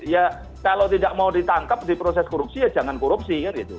ya kalau tidak mau ditangkap di proses korupsi ya jangan korupsi kan gitu